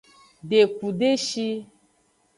Deku deshi.